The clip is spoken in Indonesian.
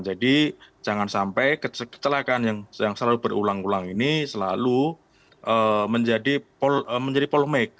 jadi jangan sampai kecelakaan yang selalu berulang ulang ini selalu menjadi polmek